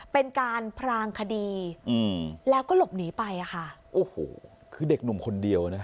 เป็นการพรางคดีอืมแล้วก็หลบหนีไปอ่ะค่ะโอ้โหคือเด็กหนุ่มคนเดียวนะ